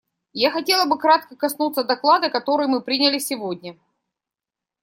Я хотела бы кратко коснуться доклада, который мы приняли сегодня.